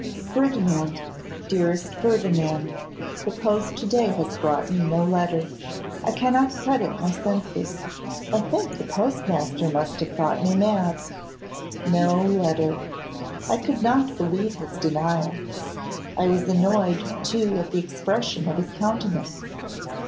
Ferdinand, dearest Ferdinand, the post to day has brought me no letter. I cannot credit my senses. I think the postmaster must have thought me mad. No letter! I could not believe his denial. I was annoyed, too, at the expression of his countenance.